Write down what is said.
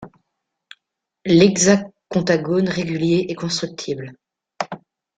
L'hexacontagone régulier est constructible.